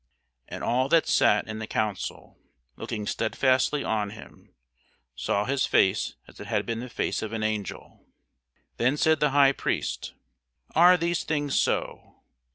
And all that sat in the council, looking stedfastly on him, saw his face as it had been the face of an angel. Then said the high priest, Are these things so?